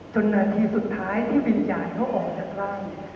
นาทีสุดท้ายที่วิญญาณเขาออกจากร่าง